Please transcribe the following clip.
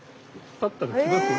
立ったら来ますよ。